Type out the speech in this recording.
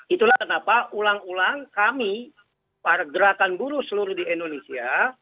itulah kenapa ulang ulang kami para gerakan buruh seluruh di indonesia